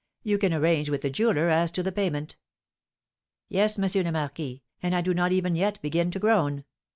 You can arrange with the jeweller as to the payment." "Yes, M. le Marquis; and I do not even yet begin to groan.